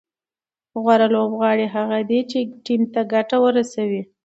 غوره لوبغاړی هغه دئ، چي ټیم ته ګټه ورسوي.